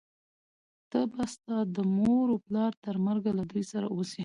ته به ستا د مور و پلار تر مرګه له دوی سره اوسې،